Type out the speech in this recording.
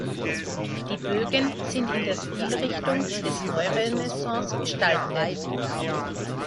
Die Bögen sind in der Stilrichtung des Neurenaissance gestaltet.